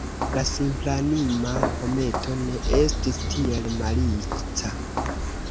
La simplanima hometo ne estis tiel malica.